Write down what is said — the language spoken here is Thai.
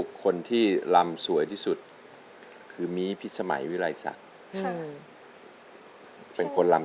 ก็จะเช่าชุดเขาไปลำค่ะ